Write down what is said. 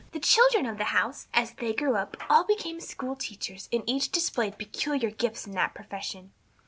The children of the house, as they grew up, all became school teachers, and each displayed peculiar gifts in that profession.